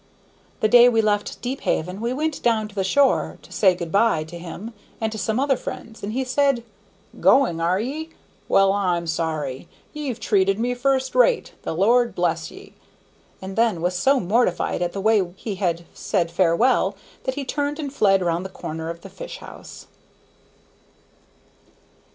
The day we left Deephaven we went down to the shore to say good by to him and to some other friends, and he said, "Goin', are ye? Well, I'm sorry; ye've treated me first rate; the Lord bless ye!" and then was so much mortified at the way he had said farewell that he turned and fled round the corner of the fish house.